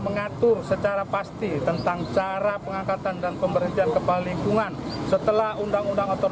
mengatur secara pasti tentang cara pengangkatan dan pemberhentian kepala lingkungan setelah undang undang atau